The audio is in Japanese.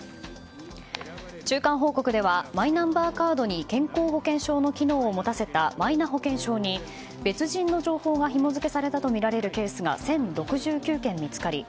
中間報告ではマイナンバーカードに健康保険証の機能を持たせたマイナ保険証に別人の情報がひも付けされたとみられるケースが１０６９件見つかり